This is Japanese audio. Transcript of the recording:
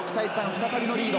再びリード。